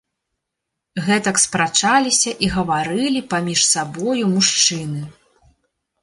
Гэтак спрачаліся і гаварылі паміж сабою мужчыны.